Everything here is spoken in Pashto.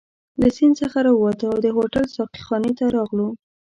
له سیند څخه راووتو او د هوټل ساقي خانې ته راغلو.